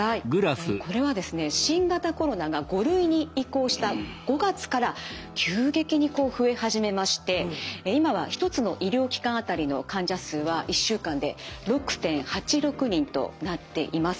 これはですね新型コロナが５類に移行した５月から急激にこう増え始めまして今は１つの医療機関当たりの患者数は１週間で６．８６人となっています。